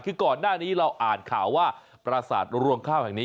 คือก่อนหน้านี้เราอ่านข่าวว่าประสาทรวงข้าวแห่งนี้